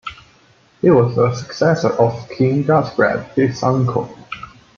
He was the successor of King Gudfred, his uncle.